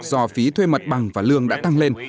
do phí thuê mặt bằng và lương đã tăng lên